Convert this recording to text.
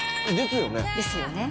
ですよね？